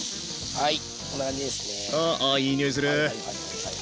はい。